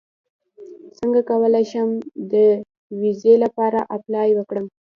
څنګه کولی شم د ویزې لپاره اپلای وکړم